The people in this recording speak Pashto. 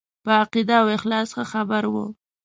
په عقیده او اخلاص ښه خبر وو.